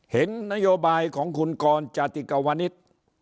เห็นนโยบายของคุณกรจาติกวนิษฐ์